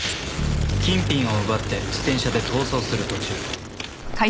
金品を奪って自転車で逃走する途中。